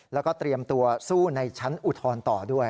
แล้วก็เตรียมตัวสู้ในชั้นอุทธรณ์ต่อด้วย